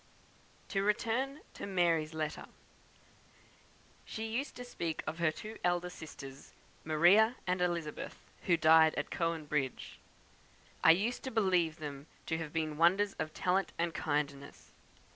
To return to "Mary's" letter. "She used to speak of her two elder sisters, Maria and Elizabeth, who died at Cowan Bridge. I used to believe them to have been wonders of talent and kindness.